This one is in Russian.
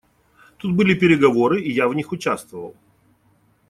Тут были переговоры, и я в них участвовал.